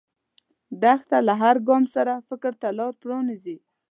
دښته له هر ګام سره فکر ته لاره پرانیزي.